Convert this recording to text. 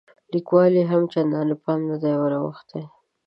لیکوالو یې هم چندان پام نه دی وراوښتی.